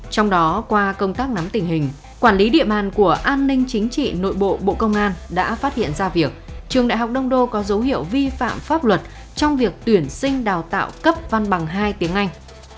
trong đó qua công tác nắm tình hình quản lý địa bàn của an ninh chính trị nội bộ bộ công an đã phát hiện ra việc trường đại học đông đô có dấu hiệu vi phạm pháp luật trong việc tuyển sinh đào tạo cấp văn bằng hai tiếng anh